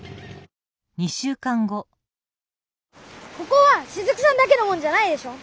ここはしずくさんだけのもんじゃないでしょ。